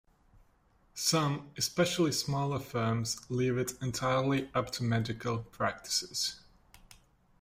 Some, especially smaller firms, leave it entirely up to medical practices.